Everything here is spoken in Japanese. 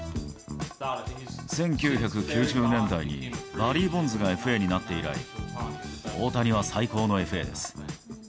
１９９０年代に、バリー・ボンズがＦＡになって以来、大谷は最高のＦＡです。